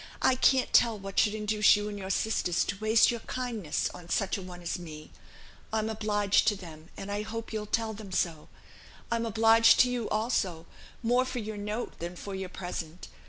I can't tell what should induce you and your sisters to waste your kindness on such a one as me. I'm obliged to them, and I hope you'll tell them so. I'm obliged to you also, more for your note than for your present.